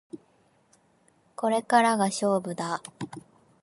これからが勝負だ